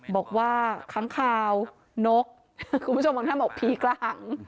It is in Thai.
บอกว่าครั้งค้าวนกคุณผู้ชมบางท่าบอกพีคล่าห่าง